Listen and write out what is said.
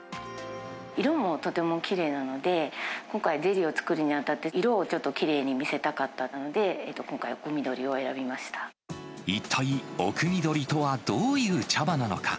色もとてもきれいなので、今回はゼリーを作るにあたって、色をちょっときれいに見せたかったので、今回、おくみどりを選び一体、おくみどりとはどういう茶葉なのか。